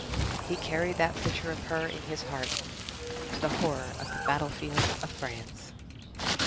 He carried that picture of her in his heart to the horror of the battlefields of France.